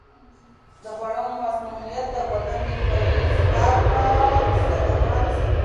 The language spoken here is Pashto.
د خوړو مسمومیت د بدن دفاعي ځواک ته صدمه رسوي.